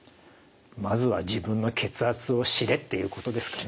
まずは自分の血圧を知れっていうことですかね。